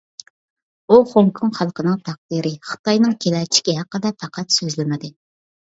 ئۇ خوڭكوڭ خەلقىنىڭ تەقدىرى، خىتاينىڭ كېلەچىكى ھەققىدە پەقەت سۆزلىمىدى.